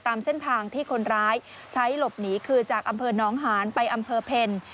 ตามเส้นทางที่คนร้ายใช้หลบหนีคือจากอำเภอน้องหานไปอำเภอเพล